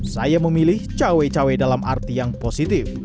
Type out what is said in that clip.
saya memilih cawe cawe dalam arti yang positif